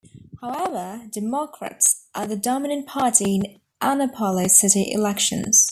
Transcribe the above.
However Democrats are the dominant party in Annapolis city elections.